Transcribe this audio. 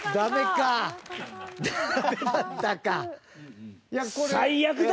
ダメだったか。